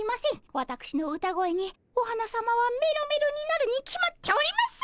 わたくしの歌声にお花さまはメロメロになるに決まっております！